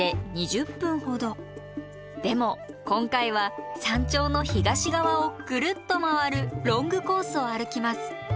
でも今回は山頂の東側をぐるっと回るロングコースを歩きます。